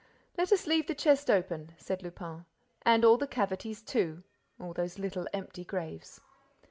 "Let us leave the chest open," said Lupin, "and all the cavities, too, all those little empty graves."